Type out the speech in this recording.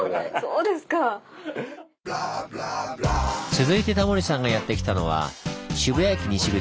続いてタモリさんがやって来たのは渋谷駅西口のバスターミナルです。